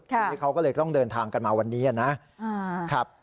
ทีนี้เขาก็เลยต้องเดินทางกันมาวันนี้นะครับ